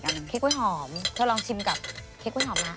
เราลองชิมกับเค้กกุ้ยหอมนะ